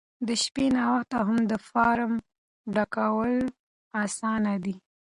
د شپې ناوخته هم د فارم ډکول اسانه دي.